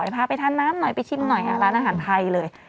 พาไปท่าน้ำหน่อยไปชิมหน่อยร้านอาหารไทย